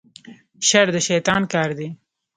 شر د شیطان کار دی